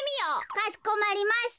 「かしこまりました。